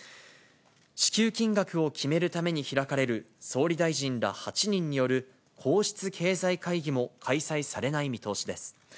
支給金額を決めるために開かれる総理大臣ら８人による皇室経済会議も開催されない見通しです。